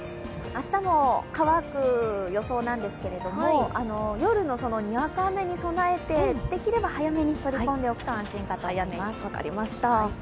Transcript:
明日も乾く予想なんですけれども夜のにわか雨に備えて、できれば早めに取り込んでおくと安心かもしれません。